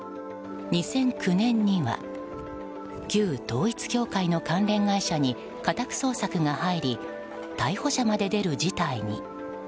２００９年には旧統一教会の関連会社に家宅捜索が入り逮捕者まで出る事態に。